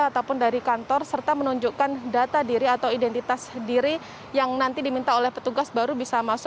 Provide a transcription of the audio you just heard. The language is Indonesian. ataupun dari kantor serta menunjukkan data diri atau identitas diri yang nanti diminta oleh petugas baru bisa masuk